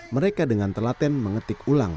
mereka dengan telaten mengetik ulang